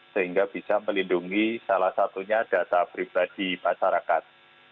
sehingga bisa melindungi salah satunya data pribadi masyarakat